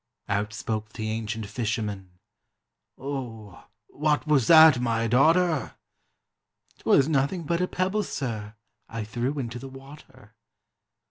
Out spoke the ancient fisherman, "Oh, what was that, my daughter?" "'T was nothing but a pebble, sir, I threw into the water."